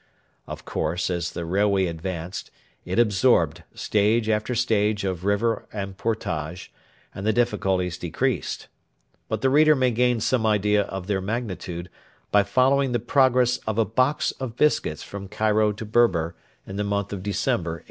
Of course, as the railway advanced, it absorbed stage after stage of river and portage, and the difficulties decreased. But the reader may gain some idea of their magnitude by following the progress of a box of biscuits from Cairo to Berber in the month of December 1897.